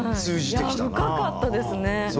いや深かったですね。